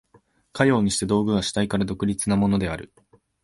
かようにして道具は主体から独立なものである。